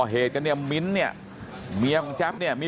ลูกสาวหลายครั้งแล้วว่าไม่ได้คุยกับแจ๊บเลยลองฟังนะคะ